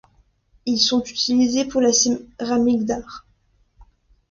Ils sont utilisés pour la céramique d'art.